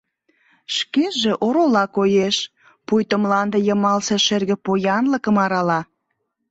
Шкеже оролла коеш, пуйто мланде йымалсе шерге поянлыкым арала.